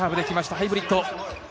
ハイブリッド。